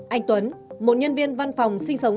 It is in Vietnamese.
anh tuấn một nhân viên văn phòng sinh sống